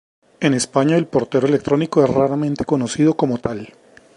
En España, el portero electrónico es raramente conocido como tal.